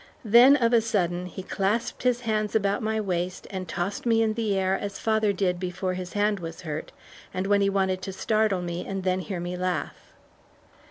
Then of a sudden, he clasped his hands about my waist and tossed me in the air as father did before his hand was hurt, and when he wanted to startle me, and then hear me laugh.